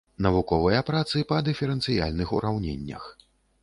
Навуковыя працы па дыферэнцыяльных ураўненнях.